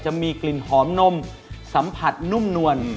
จะมีกลิ่นหอมนมสัมผัสนุ่มนวล